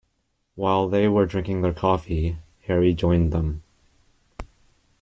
While they were drinking their coffee Harry joined them.